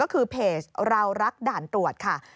ก็คือเพจเรารักด่านตรวจค่ะ